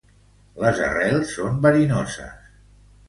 Les arrels són verinoses.